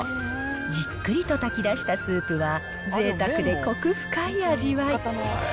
じっくりと炊き出したスープは、ぜいたくでコク深い味わい。